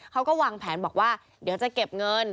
เขาก็วางแผนบอกว่าเดี๋ยวจะเก็บเงิน